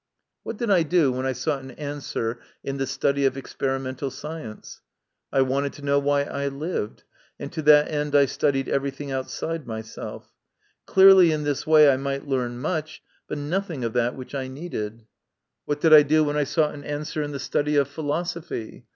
What did I do when I sought an answer in the study of experimental science ? I wanted to know why I lived, and to that end I studied everything outside myself. Clearly in this way I might learn much, but nothing of that which I needed. 90 MY CONFESS/ON. What did I do when I sought an answer in the study of philosophy ?